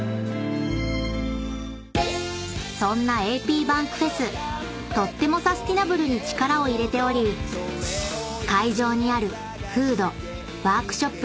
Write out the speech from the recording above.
［そんなａｐｂａｎｋｆｅｓとってもサスティナブルに力を入れており会場にあるフードワークショップ